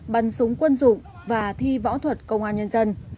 bắn súng quân dụng và thi võ thuật công an nhân dân